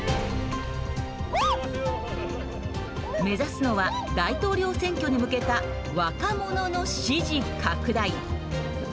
目指すのは大統領選挙に向けた若者の支持拡大。